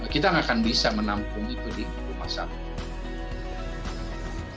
kita tidak akan bisa menampung itu di rumah satu